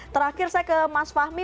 terakhir saya ke mas fahmi